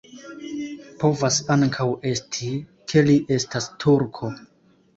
Povas ankaŭ esti, ke li estas turko.